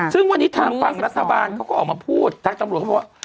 ซึ่งวันนี้ทางฝั่งรัฐบาลเขาก็ออกมาพูดทางตำรวจเขาบอกว่า